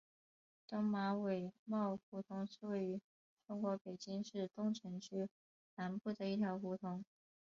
东马尾帽胡同是位于中国北京市东城区南部的一条胡同。